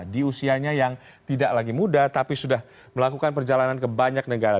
di usianya yang tidak lagi muda tapi sudah melakukan perjalanan ke banyak negara